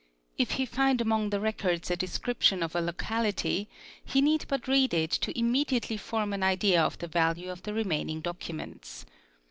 If he find among the records a "description of a locality he need but read it to immediately form an idea "of the value of the remaining documents.